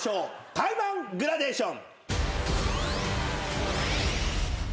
タイマングラデーション！